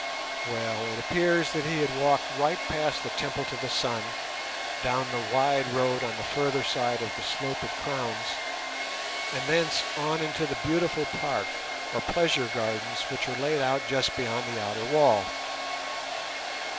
Well, it appears that he walked right past the Temple to the Sun, down the wide road on the further side of the slope it crowns, and thence on into the beautiful park, or pleasure gardens, which are laid out just beyond the outer wall.